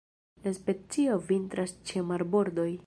La specio vintras ĉe marbordoj.